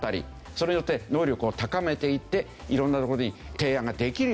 それによって能力を高めていっていろんなところに提案ができるようにしよう。